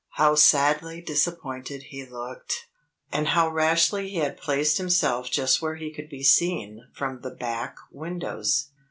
How sadly disappointed he looked! And how rashly he had placed himself just where he could be seen from the back windows!